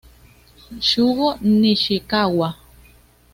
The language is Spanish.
Shugo Nishikawa